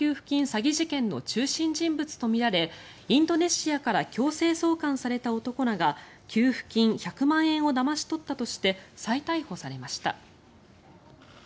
詐欺事件の中心人物とみられインドネシアから強制送還された男らが給付金１００万円をだまし取ったとして再逮捕されました。